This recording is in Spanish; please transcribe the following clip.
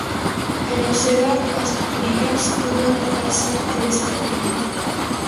En Noceda, Asturias, hubo una casa de este apellido.